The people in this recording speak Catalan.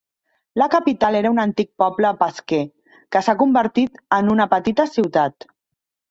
La capital era un antic poble pesquer, que s'ha convertit en una petita ciutat.